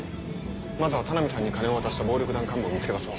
まずは田波さんに金を渡した暴力団幹部を見つけ出そう。